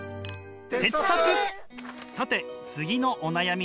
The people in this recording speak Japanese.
さて次のお悩みです。